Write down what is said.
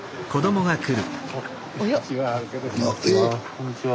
こんにちは。